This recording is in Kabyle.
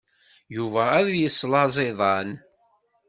Yuba ad yeslaẓ iḍan.